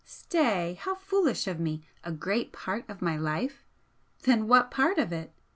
Stay! how foolish of me! 'a great part of my life'? then what part of it?